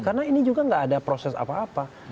karena ini juga tidak ada proses apa apa